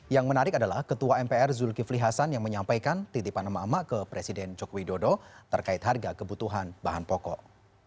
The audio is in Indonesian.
yang menarik adalah ketua mpr zulkifli hasan yang menyampaikan titipan emak emak ke presiden joko widodo terkait harga kebutuhan bahan pokok